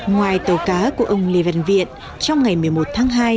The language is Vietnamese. ngoài tàu cá của ông lê văn viện trong ngày một mươi một tháng hai